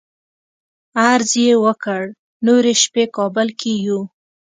عرض یې وکړ نورې شپې کابل کې یو.